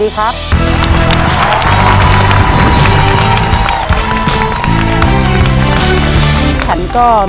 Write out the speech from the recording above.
คุณฝนจากชายบรรยาย